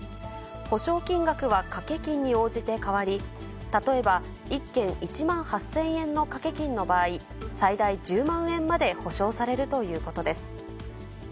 補償金額は掛金に応じて変わり、例えば１件１万８０００円の掛金の場合、最大１０万円まで補償されるということです。